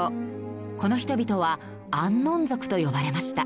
この人々はアンノン族と呼ばれました。